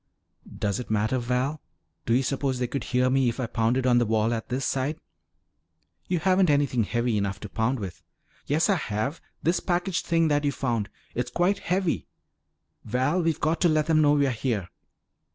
"Does it matter? Val, do you suppose they could hear me if I pounded on the wall at this side?" "You haven't anything heavy enough to pound with." "Yes, I have. This package thing that you found. It's quite heavy. Val, we've got to let them know we're here!"